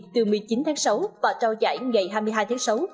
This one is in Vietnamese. từ một mươi chín tháng sáu và trao giải ngày hai mươi hai tháng sáu